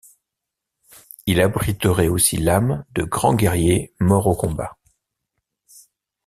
Il abriterait aussi l'âme de grands guerriers morts au combat.